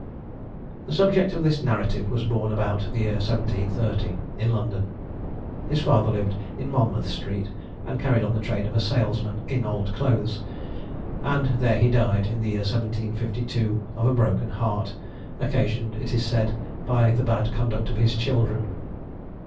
The subject of this narrative was born about the year 1730, in London his father lived in Monmouth street, and carried on the trade of a salesman in old clothes, and there he died, in the year 1752, of a broken heart, occasioned, it is said, by the bad conduct of his children.